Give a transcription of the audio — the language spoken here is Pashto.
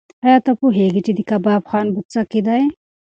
ایا ته پوهېږې چې د کباب خوند په څه کې دی؟